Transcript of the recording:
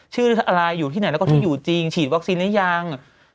ชื่ออะไรอยู่ที่ไหนแล้วก็ชื่ออยู่จริงฉีดวัคซีนหรือยัง